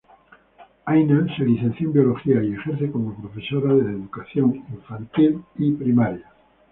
Aina se licenció en Biología y ejerce como profesora de educación infantil y primaria.